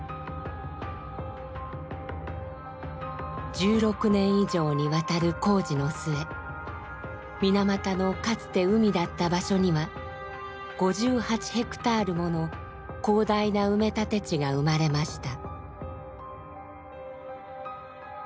１６年以上にわたる工事の末水俣のかつて海だった場所には５８ヘクタールもの広大な埋め立て地が生まれました。